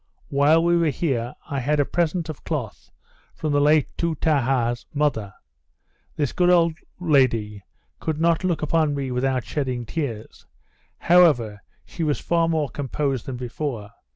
While we were here, I had a present of cloth from the late Toutaha's mother. This good old lady could not look upon me without shedding tears; however, she was far more composed than before.